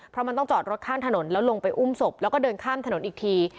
เพราะมันต้องจอดรถข้างถนนแล้วลงไปอุ้มศพแล้วก็เดินข้ามถนนอีกที